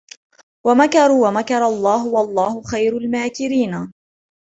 وَمَكَرُوا وَمَكَرَ اللَّهُ وَاللَّهُ خَيْرُ الْمَاكِرِينَ